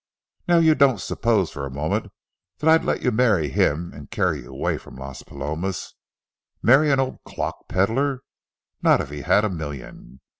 Now, you don't suppose for a moment I'd let you marry him and carry you away from Las Palomas. Marry an old clock peddler?—not if he had a million!